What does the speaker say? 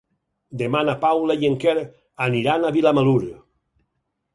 Demà na Paula i en Quer aniran a Vilamalur.